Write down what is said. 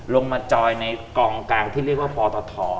ลงมาจอยในกองกลางที่เรียกว่าปตท